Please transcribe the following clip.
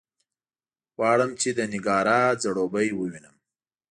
غواړم چې د نېګارا ځړوبی ووینم.